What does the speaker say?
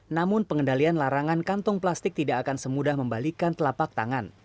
namun pengendalian larangan kantong plastik tidak akan semudah membalikan telapak tangan